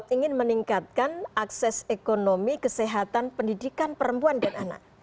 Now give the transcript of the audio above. ingin meningkatkan akses ekonomi kesehatan pendidikan perempuan dan anak